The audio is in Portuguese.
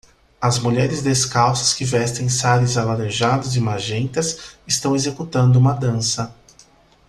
As mulheres descalças que vestem saris alaranjados e magentas estão executando uma dança.